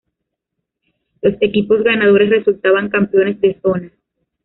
Los equipos ganadores resultaban Campeones de Zona.